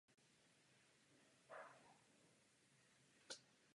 Absolvoval učitelský ústav v Příbrami.